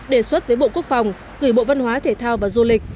đề xuất với bộ quốc phòng gửi bộ văn hóa thể thao và du lịch